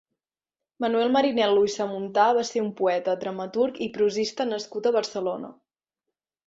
Manuel Marinel·lo i Samuntà va ser un poeta, dramaturg i prosista nascut a Barcelona.